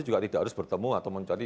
juga tidak harus bertemu atau mencari